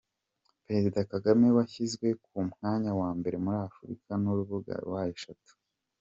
Perezida Kagame, washyizwe ku mwanya wa mbere muri Afurika n’urubuga www.